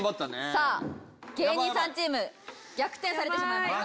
さあ芸人さんチーム逆転されてしまいました。